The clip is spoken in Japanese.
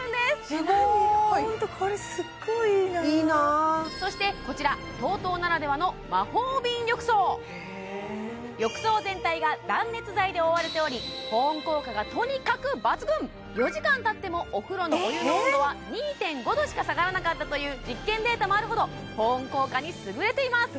すごいホントこれすっごいいいないいなそしてこちらＴＯＴＯならではの魔法びん浴槽浴槽全体が断熱材で覆われており保温効果がとにかく抜群４時間たってもお風呂のお湯の温度は２．５度しか下がらなかったという実験データもあるほど保温効果にすぐれています